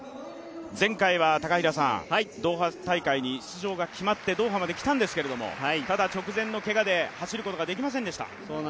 前回はドーハ大会に出場が決まって、ドーハまで来たんですけどただ直前のけがで走ることができませんでした。